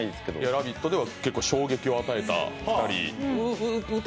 「ラヴィット！」では結構衝撃を与えた２人。